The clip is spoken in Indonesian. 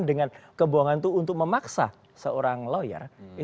dengan kebohongan itu untuk memaksa seorang lawyer